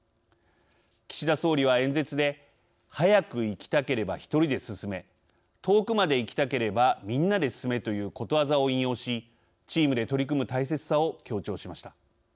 岸田総理は演説で「早く行きたければ１人で進め遠くまで行きたければみんなで進め」ということわざを引用しチームで取り組む大切さを強調しました。